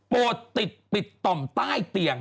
ติดปิดต่อมใต้เตียง